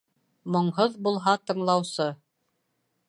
Моңһоҙ булһа тыңлаусы.